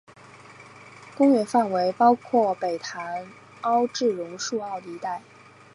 公园范围包括北潭凹至榕树澳一带。